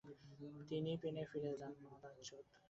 তিনি পেনে ফিরে আসেন।